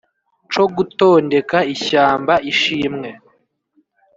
coo gutondeka ishyamba ishimwe